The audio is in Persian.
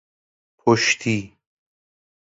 پشتی